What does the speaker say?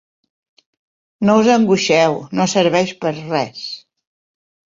No us angoixeu; no serveix per a res.